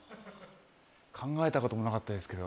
考えたこともなかったですけど。